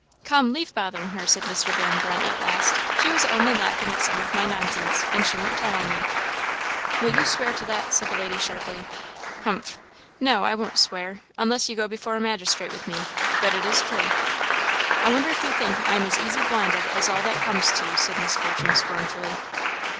"Come, leave bothering her," said Mr. Van Brunt, at last; "she was only laughing at some of my nonsense, and she won't tell on me." "Will you swear to that?" said the lady, sharply. "Humph! no, I won't swear; unless you will go before a magistrate with me; but it is true." "I wonder if you think I am as easy blinded as all that comes to!" said Miss Fortune, scornfully.